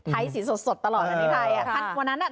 ไทยสีสดสดตลอดอันนี้ไทย